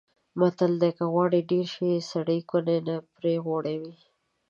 متل دی: که غوړي ډېر شي سړی کونه نه پرې غوړوي.